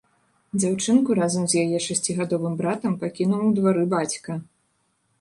Дзяўчынку разам з яе шасцігадовым братам пакінуў у двары бацька.